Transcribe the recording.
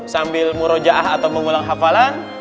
sambil murojaah atau mengulang hafalan